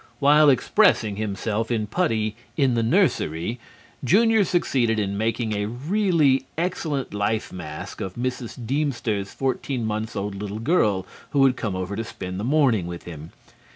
While expressing himself in putty in the nursery, Junior succeeded in making a really excellent lifemask of Mrs. Deemster's fourteen months old little girl who had come over to spend the morning with him.